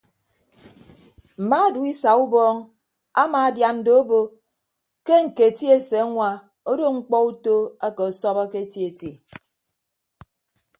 Mma duisa ubọọñ amaadian do obo ke ñketi eseñwa odo ñkpọ uto ake ọsọbọke eti eti.